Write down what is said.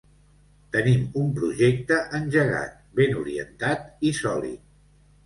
Tenim un projecte engegat, ben orientat i sòlid.